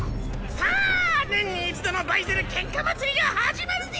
さあ年に一度のバイゼル喧嘩祭りが始まるぜ！